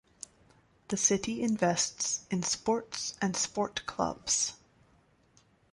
The city invests in sports and sport clubs.